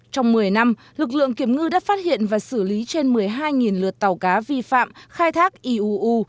trong một mươi năm lực lượng kiểm ngư đã phát hiện và xử lý trên một mươi hai lượt tàu cá vi phạm khai thác iuu